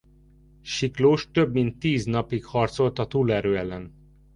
Siklós több mint tíz napig harcolt a túlerő ellen.